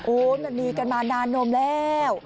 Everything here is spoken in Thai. มันมีกันมานานนมแล้ว